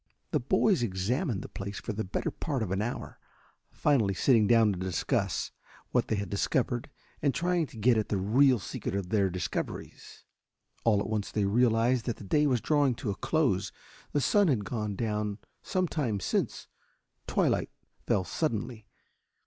The boys examined the place for the better part of an hour, finally sitting down to discuss what they had discovered and trying to get at the real secret of their discoveries. All at once they realized that the day was drawing to a close. The sun had gone down some time since. Twilight fell suddenly.